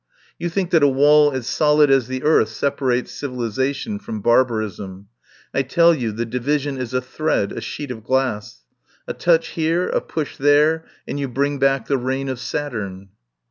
You think that a wall as solid as the earth separates civilisation from barbarism. I tell you the division is a thread, a sheet of glass. A touch here, a push there, and you bring back the reign of Saturn."